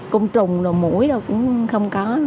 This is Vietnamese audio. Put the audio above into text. cung trùng rồi mũi rồi cũng không có